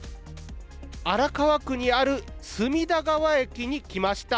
荒川区にある隅田川駅に来ました。